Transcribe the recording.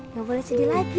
nggak boleh sedih lagi